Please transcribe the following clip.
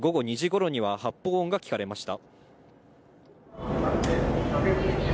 そして、午後２時ごろには発砲音が聞かれました。